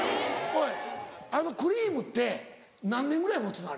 おいあのクリームって何年ぐらい持つの？